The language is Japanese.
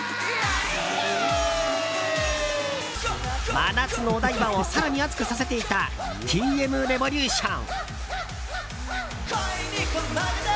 真夏のお台場を更に熱くさせていたＴ．Ｍ．Ｒｅｖｏｌｕｔｉｏｎ。